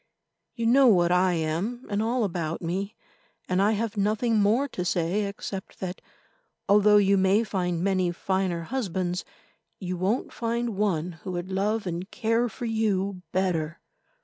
You know what I am, and all about me, and I have nothing more to say except that, although you may find many finer husbands, you won't find one who would love and care for you better.